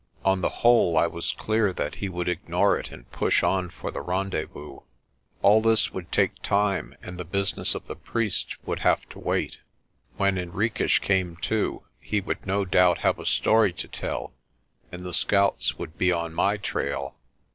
On the whole I was clear that he would ignore it and push on for the rendezvous. All this would take time and the business of the priest would have to wait. When Henriques came to he would no doubt have a story to tell, and the scouts would be on my trail.